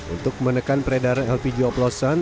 untuk menekan peredaran lpg oplosan